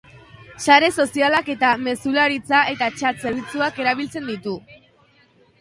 Sare sozialak eta mezularitza eta txat zerbitzuak erabiltzen ditu.